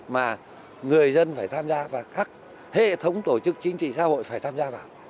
mà người dân phải tham gia và các hệ thống tổ chức chính trị xã hội phải tham gia vào